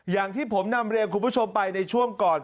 อย่างที่ผมนำเรียนคุณผู้ชมไปในช่วงก่อน